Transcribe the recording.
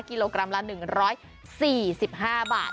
กิโลกรัมละ๑๔๕บาท